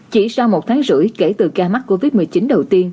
chỉ sau một tháng rưỡi kể từ ca mắc covid một mươi chín đầu tiên